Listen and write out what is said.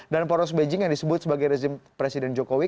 dan poros beijing yang disebut sebagai rezim presiden jokowi